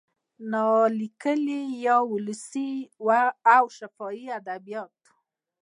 نا لیکلي یا ولسي او شفاهي ادبیات